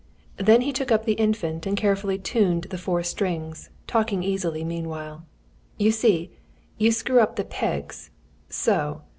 Then he took up the Infant and carefully tuned the four strings, talking easily meanwhile. "You see? You screw up the pegs so.